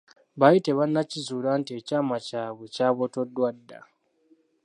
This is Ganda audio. Baali tebannakizuula nti ekyama kyabwe kyabotoddwa dda.